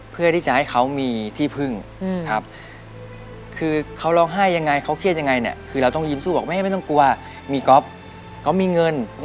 เป็นยังไงบ้าง